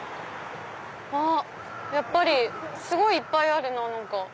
あっやっぱりすごいいっぱいあるなぁ。